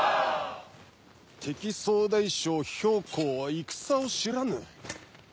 敵総大将・公は戦を知らぬ。